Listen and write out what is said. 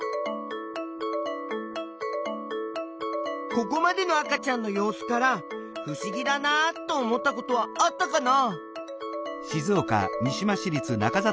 ここまでの赤ちゃんの様子からふしぎだなと思ったことはあったかな？